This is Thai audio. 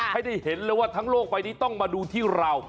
ให้ได้เห็นเลยว่าทั้งโลกใบนี้ต้องมาดูที่เรา